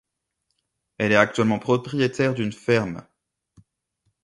Elle est également propriétaire d'une ferme.